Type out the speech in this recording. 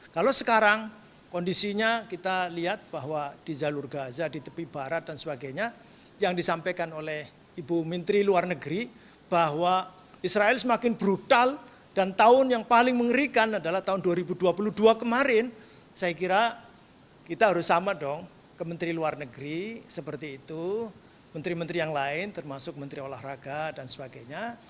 kalau kemarin saya kira kita harus sama dong ke menteri luar negeri seperti itu menteri menteri yang lain termasuk menteri olahraga dan sebagainya